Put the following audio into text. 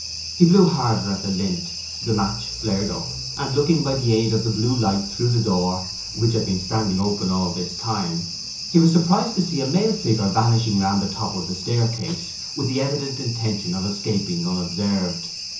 He blew harder at the lint, the match flared up, and looking by aid of the blue light through the door, which had been standing open all this time, he was surprised to see a male figure vanishing round the top of the staircase with the evident intention of escaping unobserved.